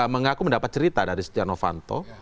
mengaku mendapat cerita dari stiano fanto